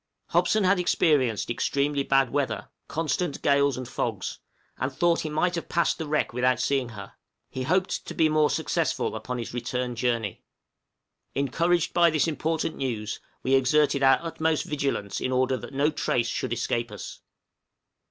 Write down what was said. Hobson had experienced extremely bad weather constant gales and fogs and thought he might have passed the wreck without seeing her; he hoped to be more successful upon his return journey. Encouraged by this important news, we exerted our utmost vigilance in order that no trace should escape us.